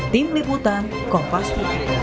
tim liputan kompas t